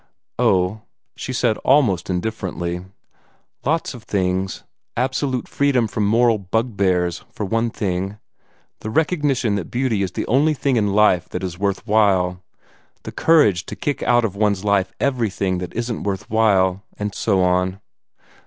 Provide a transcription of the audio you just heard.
"Oh," she said almost indifferently, "lots of things. Absolute freedom from moral bugbears, for one thing. The recognition that beauty is the only thing in life that is worth while. The courage to kick out of one's life everything that isn't worth while; and so on."